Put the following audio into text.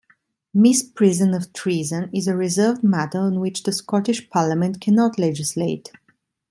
Misprision of treason is a reserved matter on which the Scottish Parliament cannot legislate.